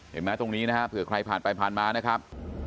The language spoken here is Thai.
เห็นมั้ยตรงนี้เพื่อใครผ่านไปผ่านมานะครับ